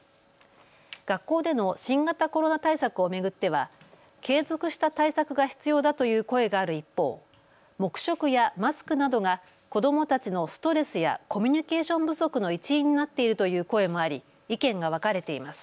学校での新型コロナ対策を巡っては継続した対策が必要だという声がある一方、黙食やマスクなどが子どもたちのストレスやコミュニケーション不足の一因になっているという声もあり意見が分かれています。